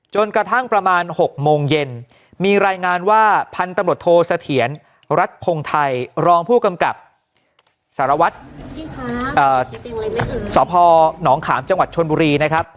จนกระทั่งประมาณ๖โมงเย็นมีรายงานว่าพันธุ์ตำรวจโทษเสถียรรัฐพงไทยรองผู้กำกับสารวัตรสพหนองขามจังหวัดชนบุรีนะครับ